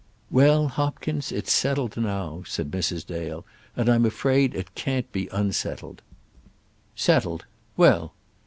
"Well, Hopkins; it's settled now," said Mrs. Dale, "and I'm afraid it can't be unsettled." "Settled; well.